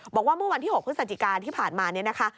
บอกว่าวันที่๖พฤษจิกาที่ผ่านมานี้นะคะ